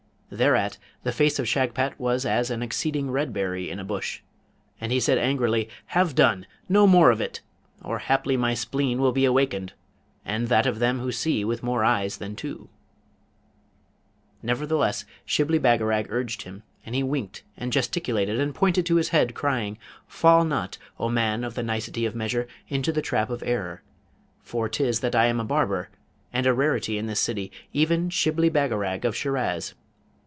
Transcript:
Thereat the face of Shagpat was as an exceeding red berry in a bush, and he said angrily, 'Have done! no more of it! or haply my spleen will be awakened, and that of them who see with more eyes than two.' Nevertheless Shibli Bagarag urged him, and he winked, and gesticulated, and pointed to his head, crying, 'Fall not, O man of the nicety of measure, into the trap of error; for 'tis I that am a barber, and a rarity in this city, even Shibli Bagarag of Shiraz!